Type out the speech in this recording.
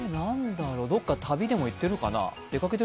どこか旅でも行ってるかな？